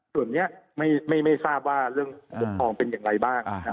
ส่วนนี้ไม่ทราบว่าเรื่องผู้ปกครองเป็นอย่างไรบ้าง